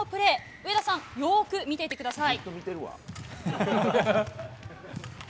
上田さん、よく見ていてください。